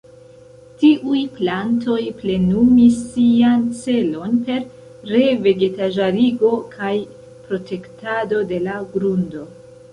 Tiuj plantoj plenumis sian celon per re-vegetaĵarigo kaj protektado de la grundo.